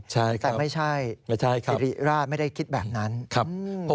ใช่ครับไม่ใช่ศรีราชไม่ได้คิดแบบนั้นครับใช่ครับ